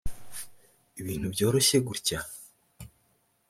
ibintu byoroshye gutya